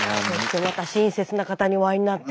親切な方にお会いになって。